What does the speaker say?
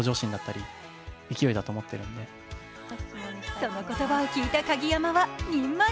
その言葉を聞いた鍵山はにんまり。